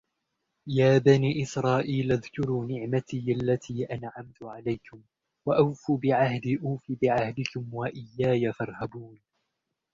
يَا بَنِي إِسْرَائِيلَ اذْكُرُوا نِعْمَتِيَ الَّتِي أَنْعَمْتُ عَلَيْكُمْ وَأَوْفُوا بِعَهْدِي أُوفِ بِعَهْدِكُمْ وَإِيَّايَ فَارْهَبُونِ